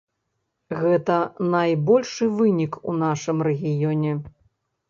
Гэта найбольшы вынік у нашым рэгіёне.